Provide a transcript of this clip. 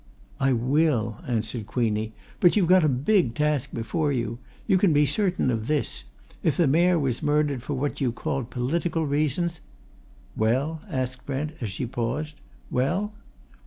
"I will!" answered Queenie. "But you've got a big task before you! You can be certain of this if the Mayor was murdered for what you called political reasons " "Well?" asked Brent, as she paused. "Well?"